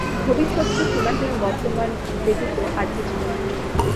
ভবিষ্যৎ তো সীমাহীন বর্তমান ব্যতীত আর কিছু নয়।